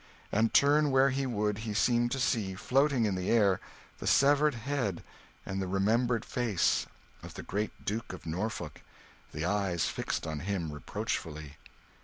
And, turn where he would, he seemed to see floating in the air the severed head and the remembered face of the great Duke of Norfolk, the eyes fixed on him reproachfully.